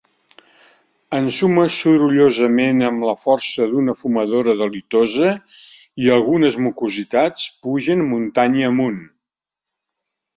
Ensuma sorollosament, amb la força d'una fumadora delitosa, i algunes mucositats pugen muntanya amunt.